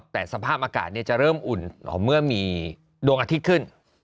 แต่สภาพอากาศจะเริ่มอุ่นเมื่อมีดวงอาทิตย์ขึ้น